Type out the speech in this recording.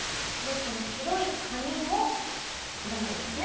この白い紙もいらないですね。